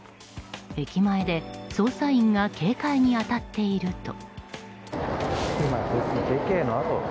駅前で捜査員が警戒に当たっていると。